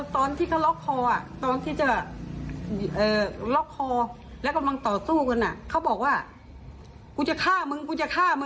ตอนที่จะล็อกคอแล้วกำลังต่อสู้กันเขาก็บอกว่ากูจะฆ่าไหมั